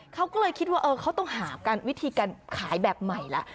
เขาก็เลยคิดว่าเขาต้องหาวิธีการขายแบบใหม่แล้ว